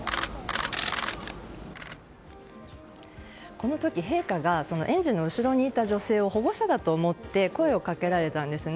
この時、陛下が園児の後ろにいた女性を保護者だと思って声をかけられたんですね。